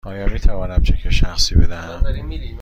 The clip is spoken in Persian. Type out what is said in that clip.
آیا می توانم چک شخصی بدهم؟